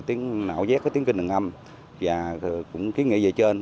tính nạo vét của tiếng kinh đường âm và cũng kiến nghị về trên